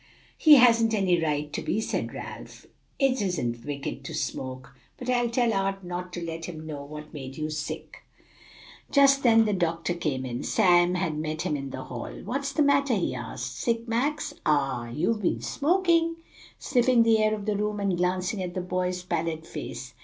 "He hasn't any right to be," said Ralph; "'tisn't wicked to smoke. But I'll tell Art not to let him know what made you sick." Just then the doctor came in. Sam had met him in the hall. "What's the matter?" he asked; "sick, Max? Ah, you've been smoking?" sniffing the air of the room and glancing at the boy's pallid face.